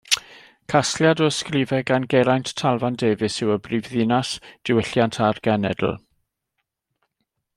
Casgliad o ysgrifau gan Geraint Talfan Davies yw Y Brifddinas, Diwylliant a'r Genedl.